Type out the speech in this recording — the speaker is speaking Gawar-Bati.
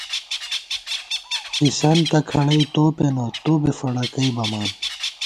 ݪِسَنتہ کھڑَئی تو پېنہ ، تو بی فڑَکَئی بَمان